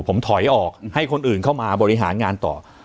ผมถอยออกให้คนอื่นเข้ามาบริหารงานต่อ